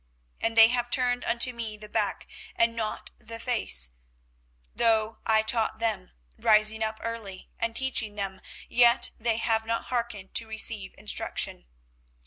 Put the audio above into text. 24:032:033 And they have turned unto me the back, and not the face: though I taught them, rising up early and teaching them, yet they have not hearkened to receive instruction.